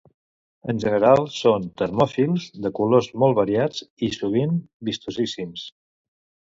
En general són termòfils, de colors molt variats i, sovint, vistosíssims.